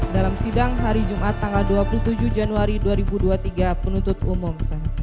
dalam sidang hari jumat tanggal dua puluh tujuh januari dua ribu dua puluh tiga penuntut umum